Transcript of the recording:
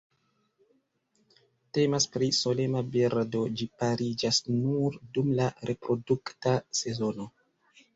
Temas pri solema birdo, ĝi pariĝas nur dum la reprodukta sezono.